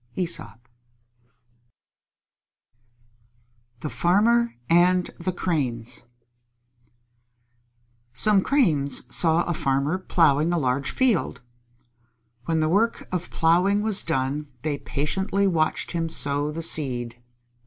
_ THE FARMER AND THE CRANES Some Cranes saw a farmer plowing a large field. When the work of plowing was done, they patiently watched him sow the seed.